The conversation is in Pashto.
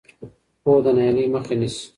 پوهه د ناهیلۍ مخه نیسي.